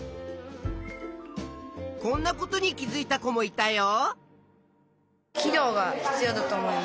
こんなことに気づいた子もいたよ。